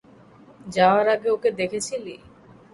যাওয়ার আগে ওকে দেখেছিলি?